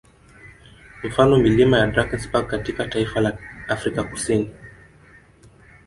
Mfano milima ya Drankesberg katika taifa la Afrika Kusini